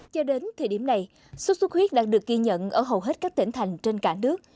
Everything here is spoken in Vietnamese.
cho đến thời điểm này sốt xuất huyết đang được ghi nhận ở hầu hết các tỉnh thành trên cả nước